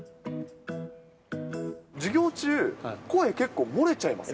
授業中、声、結構漏れちゃいません？